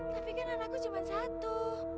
tapi kan anakku cuma satu